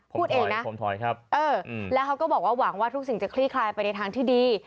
พูดเองนะผมถอยครับเออแล้วเขาก็บอกว่าหวังว่าทุกสิ่งจะคลี่คลายไปในทางที่ดี